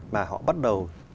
mà họ bắt đầu